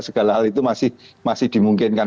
segala hal itu masih dimungkinkan